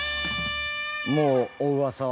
もうおうわさは。